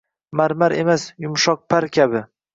Marmar emas, yumshoq par kabi.